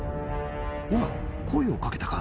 今声を掛けたか？